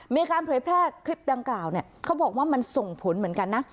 อเมริกานคลิปดังกล่าวเขาบอกว่ามันส่งผลเหมือนกันนะ